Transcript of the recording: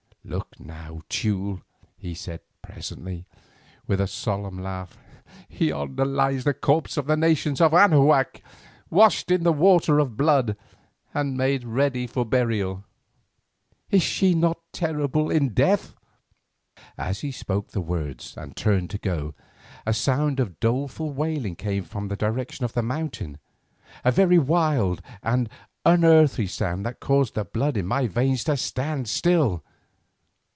"Look now, Teule!" he said, presently, with a solemn laugh; "yonder lies the corpse of the nations of Anahuac washed in a water of blood and made ready for burial. Is she not terrible in death?" As he spoke the words and turned to go, a sound of doleful wailing came from the direction of the mountain, a very wild and unearthly sound that caused the blood in my veins to stand still.